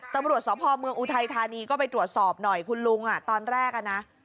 ตำรวจสพเมืองอุทัยธานีก็ไปตรวจสอบหน่อยคุณลุงตอนแรกอ่ะนะ